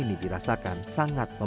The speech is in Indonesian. rata rata sebarang kilo